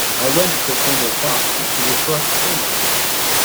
I went to a formal party and was dressed formally.